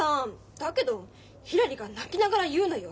だけどひらりが泣きながら言うのよ。